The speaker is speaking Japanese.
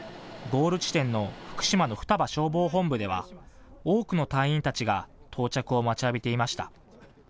ゴール地点の福島の双葉消防本部では多くの隊員たちが到着を待ちわびていました。